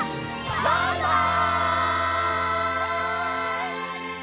バイバイ！